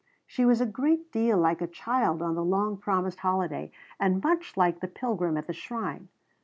She was a great deal like a child on the long promised holiday, and much like the pilgrim at the shrine.